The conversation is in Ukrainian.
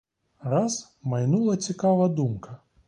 Раз майнула цікава думка.